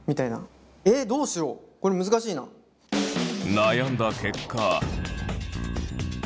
悩んだ結果。